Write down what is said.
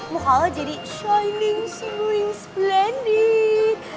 muka lo jadi shining swimming splendid